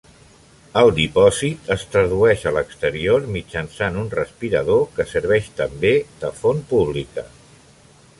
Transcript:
El dipòsit es tradueix a l'exterior mitjançant un respirador que serveix també de font pública.